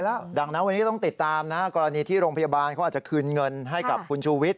แล้วดังนั้นวันนี้ต้องติดตามนะกรณีที่โรงพยาบาลเขาอาจจะคืนเงินให้กับคุณชูวิทย